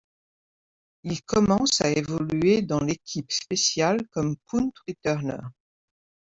Il commence à évoluer dans l'équipe spéciale comme punt returner.